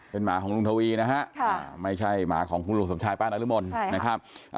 เป็นหมาของลุงทวีนะฮะไม่ใช่หมาของคุณลุงสมชายป้านรมนนะครับ